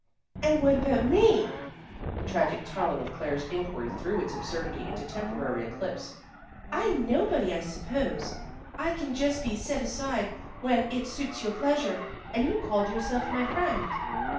"And what about me?" The tragic tone of Claire's inquiry threw its absurdity into temporary eclipse. "I'm nobody, I suppose. I can just be set aside when it suits your pleasure. And you called yourself my friend."